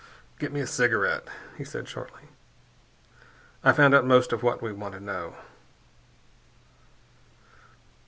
"Give me a cigarette," he said shortly. "I found out most of what we want to know."